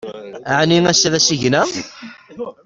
Ɛni ass-a d asigna?